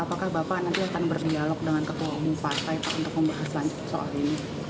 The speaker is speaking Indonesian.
apakah bapak nanti akan berdialog dengan ketua umum partai pak untuk membahas soal ini